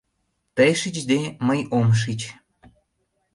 Тый шичде, мый ом шич.